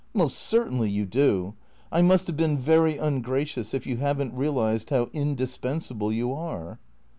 " Most certainly you do. I must have been very ungracious if you have n't realized how indispensable you are."